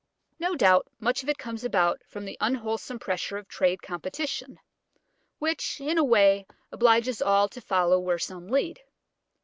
No doubt much of it comes about from the unwholesome pressure of trade competition, which in a way obliges all to follow where some lead.